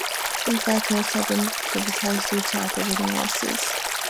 In fact, most have been privatized due to operating losses.